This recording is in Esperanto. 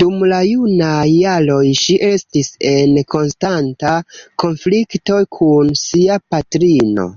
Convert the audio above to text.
Dum la junaj jaroj ŝi estis en konstanta konflikto kun sia patrino.